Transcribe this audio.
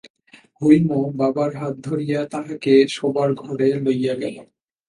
হৈম বাবার হাত ধরিয়া তাঁহাকে শোবার ঘরে লইয়া গেল।